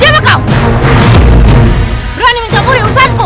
berani mencampuri urusanku